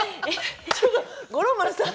ちょっと五郎丸さん。